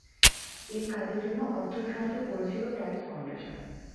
এই কাজের জন্য অর্থসাহায্য করেছিল টাইমস ফাউন্ডেশন।